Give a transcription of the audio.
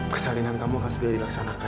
persalinan kamu akan segera dilaksanakan